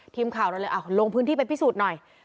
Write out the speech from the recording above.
ทีมข่าวเราเลยลงพื้นที่ไปพิสูจน์หน่อย